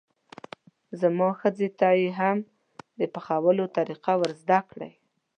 زما ښځې ته یې هم د پخولو طریقه ور زده کړئ.